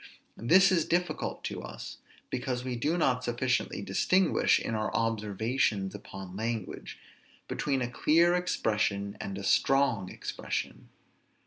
This is difficult to us, because we do not sufficiently distinguish, in our observations upon language, between a clear expression and a strong expression.